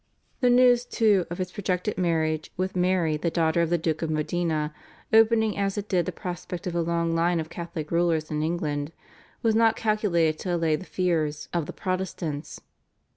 The news, too, of his projected marriage with Mary the daughter of the Duke of Modena, opening as it did the prospect of a long line of Catholic rulers in England, was not calculated to allay the fears of the Protestants.